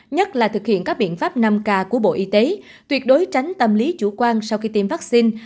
nhất là thực hiện các biện pháp năm k của bộ y tế tuyệt đối tránh tâm lý chủ quan sau khi tiêm vaccine